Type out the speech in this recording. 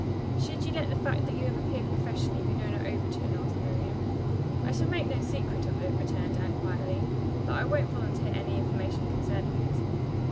"Shall you let the fact that you have appeared professionally be known at Overton?" asked Miriam. "I shall make no secret of it," returned Anne quietly, "but I won't volunteer any information concerning it."